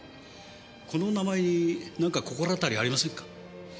この名前になんか心当たりありませんか？